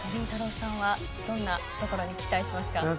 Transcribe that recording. さんはどんなところに期待しますか？